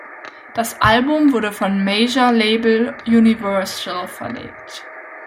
Das Album wurde vom Major-Label "Universal" verlegt.